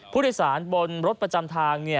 ผู้โดยสารบนรถประจำทาง